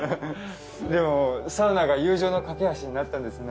でもサウナが友情の懸け橋になったんですね。